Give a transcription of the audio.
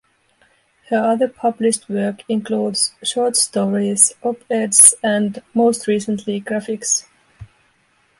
Her other published work includes short stories, op-eds and, most recently, graphics.